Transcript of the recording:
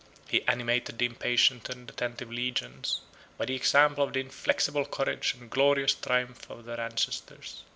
He animated the impatient and attentive legions by the example of the inflexible courage and glorious triumphs of their ancestors.